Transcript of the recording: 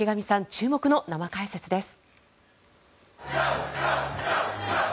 注目の生解説です。